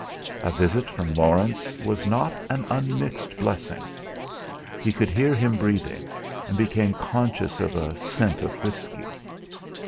A visit from Laurence was not an unmixed blessing. He could hear him breathing, and became conscious of a scent of whisky.